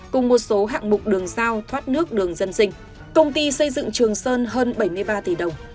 cùng một số hạng mục đường giao thoát nước đường dân sinh công ty xây dựng trường sơn hơn bảy mươi ba tỷ đồng